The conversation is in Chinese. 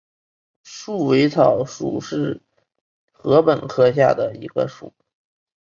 束尾草属是禾本科下的一个属。